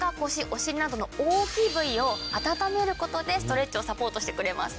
お尻などの大きい部位を温める事でストレッチをサポートしてくれます。